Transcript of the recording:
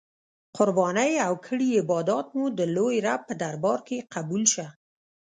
قربانې او کړی عبادات مو د لوی رب په دربار کی قبول شه.